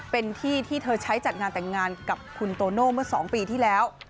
เป็นที่ที่เธอใช้จัดงานแต่งงานกับคุณโตโน่เมื่อ๒ปีที่แล้ว